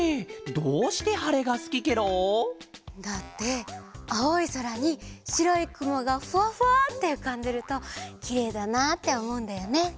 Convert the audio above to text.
どうしてはれがすきケロ？だってあおいそらにしろいくもがフワフワッてうかんでるときれいだなっておもうんだよね。